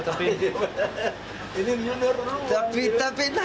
tapi tapi tapi